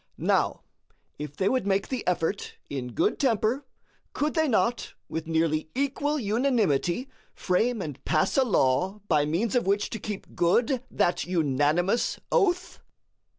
Now, if they would make the effort in good temper, could they not with nearly equal unanimity frame and pass a law by means of which to keep good that unanimous oath?